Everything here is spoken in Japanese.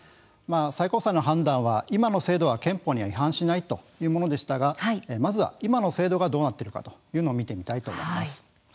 最高裁の判断は今の制度は憲法に違反しないというものでしたがまずは今の制度がどうなっているのか、見てみたいと思います。